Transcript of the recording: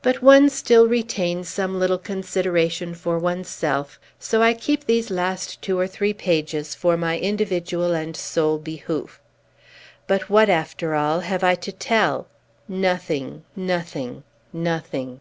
But one still retains some little consideration for one's self; so I keep these last two or three pages for my individual and sole behoof. But what, after all, have I to tell? Nothing, nothing, nothing!